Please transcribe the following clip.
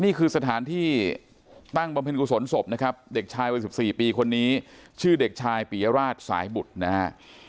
นี่คือสถานที่ตั้งบำเพ็ญกุศลศพนะครับเด็กชายวัย๑๔ปีคนนี้ชื่อเด็กชายปียราชสายบุตรนะฮะ